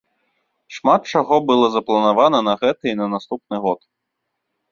Шмат чаго было запланавана на гэты і на наступны год.